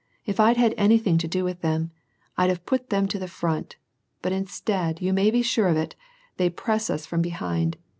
If I'd had anything to do with them, I'd have put 'em to the front. But instead, you may be sure of that, they press us from behind.